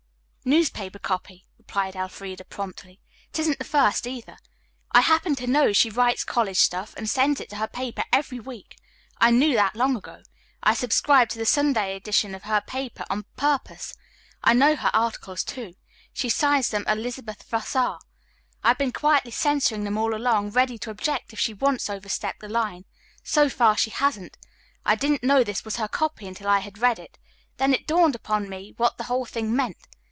"Newspaper copy," replied Elfreda promptly. "It isn't the first, either. I happen to know she writes college stuff and sends it to her paper every week. I knew that long ago. I subscribed to the Sunday edition of her paper on purpose. I know her articles, too. She signs them 'Elizabeth Vassar.' I have been quietly censoring them all along, ready to object if she once overstepped the line. So far she hasn't. I didn't know this was her copy until I had read it. Then it dawned upon me what the whole thing meant.